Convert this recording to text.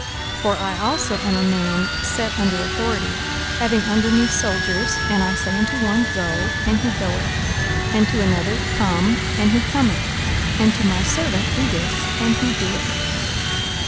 42:007:008 For I also am a man set under authority, having under me soldiers, and I say unto one, Go, and he goeth; and to another, Come, and he cometh; and to my servant, Do this, and he doeth it.